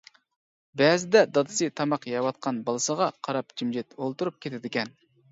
بەزىدە دادىسى تاماق يەۋاتقان بالىسىغا قاراپ جىمجىت ئولتۇرۇپ كېتىدىكەن.